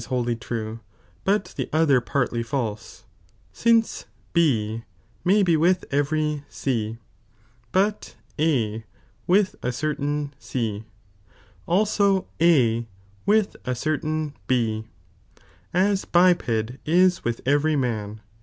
wholly true, but the other piirtly fiilse, since B may be with every C, but A with a certain C, also A with a certain B, as Uped is with every man.